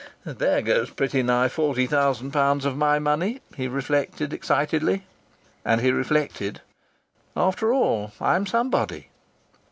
"There goes pretty nigh forty thousand pounds of my money!" he reflected excitedly. And he reflected: "After all, I'm somebody."